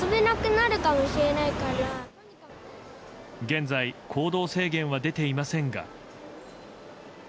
現在行動制限は出ていませんが。